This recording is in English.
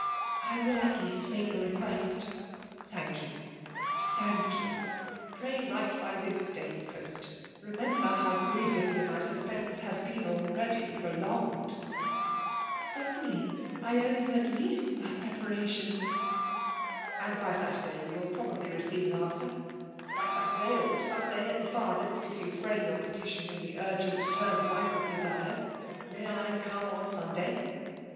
*^ I will at least make the request." ''Thank you — ^tkank you! Pray write by 184 FEMAtB DOMINATIOK. tk day's post! Bemember how grievously my Sttspemie has been already proloiiged !*^ Certaiiily ; I owe you at least that re« Bflnitioii.*' *^ And by Saturday you will probably recent as answer; — ^by Saturday or Sunday at flie farthest, if you frame your petition in die urgent terms I could desire. May I oome on Sunday?'